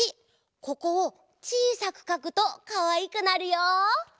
ここをちいさくかくとかわいくなるよ。